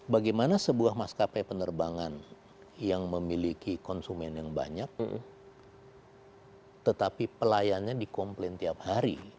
bagaimana sebuah maskapai penerbangan yang memiliki konsumen yang banyak tetapi pelayannya dikomplain tiap hari